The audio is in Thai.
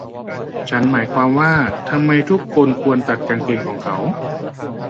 ฉันหมายความว่า ทำไมทุกคนควรตัดกางเกงของเขา ?